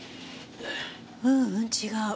ううん違う。